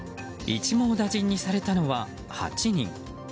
一網打尽にされたのは８人。